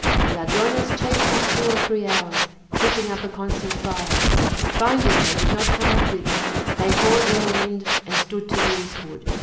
The Ladrones chased them two or three hours, keeping up a constant fire; finding they did not come up with them, they hauled their wind and stood to the eastward.